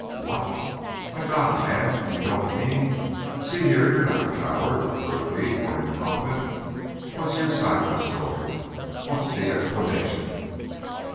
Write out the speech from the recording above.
"What? My God, man! You don't mean See here, you're not a coward, or a thief, or an incompetent. What's your side of the story? What's the explanation?"